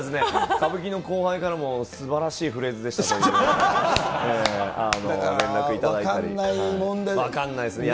歌舞伎の後輩からも、すばらしいフレーズでしたという連絡頂いたり。